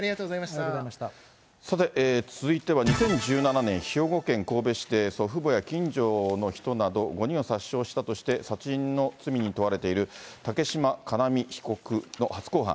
さて、続いては２０１７年、兵庫県神戸市で祖父母や近所の人など、５人を殺傷したとして殺人の罪に問われている竹島叶実被告の初公判。